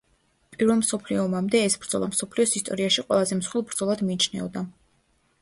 პირველ მსოფლიო ომამდე ეს ბრძოლა მსოფლიოს ისტორიაში ყველაზე მსხვილ ბრძოლად მიიჩნეოდა.